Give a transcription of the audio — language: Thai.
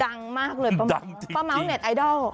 ดังมากเลยป้าเม้าเนี่ยไอดอล